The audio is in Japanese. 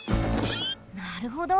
なるほど。